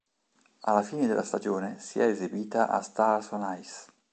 Alla fine della stagione, si è esibita a Stars On Ice.